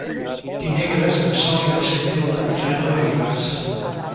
Dimecres en Sol i na Sibil·la iran a Garrigàs.